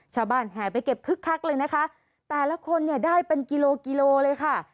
แห่ไปเก็บคึกคักเลยนะคะแต่ละคนเนี่ยได้เป็นกิโลกิโลเลยค่ะ